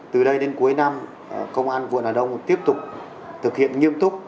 từ đây đến cuối năm công an quận hà đông tiếp tục thực hiện nghiêm túc